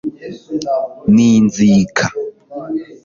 n'inzika